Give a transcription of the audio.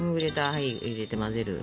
はい入れて混ぜる。